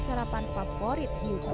sekarang aku hypogena